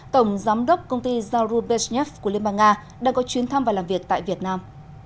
tổng giám đốc công ty zarubezhnev của liên bang nga đang có chuyến thăm và làm việc tại việt nam